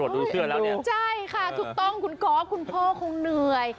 ใช่ใช่ค่ะถูกต้องคุณก๊อบคุณพ่อคงเหนื่อย